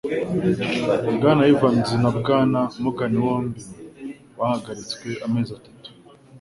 Bwana Evans na Bwana Morgan bombi bahagaritswe amezi atatu